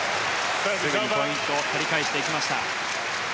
すぐにポイントを取り返していきました。